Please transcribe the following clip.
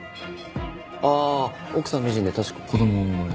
ああ奥さん美人で確か子どもも生まれた。